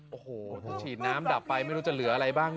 โอ้โหถ้าฉีดน้ำดับไปไม่รู้จะเหลืออะไรบ้าง